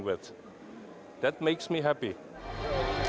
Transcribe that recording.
itu membuat saya bahagia